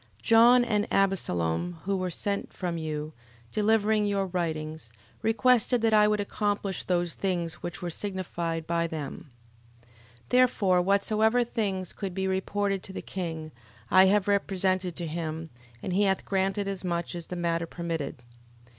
John, and Abesalom, who were sent from you, delivering your writings, requested that I would accomplish those things which were signified by them. 11:18. Therefore whatsoever things could be reported to the king, I have represented to him: and he hath granted as much as the matter permitted.